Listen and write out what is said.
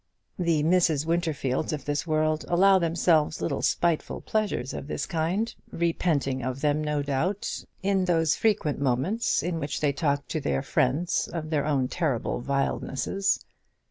The Mrs. Winterfields of this world allow themselves little spiteful pleasures of this kind, repenting of them, no doubt, in those frequent moments in which they talk to their friends of their own terrible vilenesses.